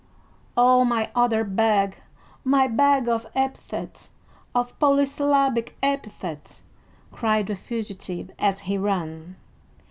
"Oh, my other bag, my bag of epithets, of polysyllabic epithets!" cried the fugitive as he ran.